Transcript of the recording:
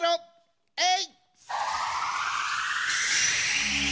えい！